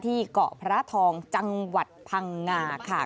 เกาะพระทองจังหวัดพังงาค่ะ